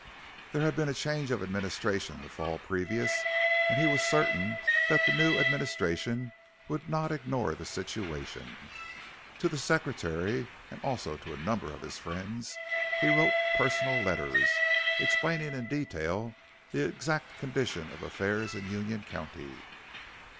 There had been a change of administration the fall previous and he was certain that the new administration would not ignore the situation. To the Secretary, and also to a number of his friends, he wrote personal letters, explaining in detail the exact condition of affairs in Union County.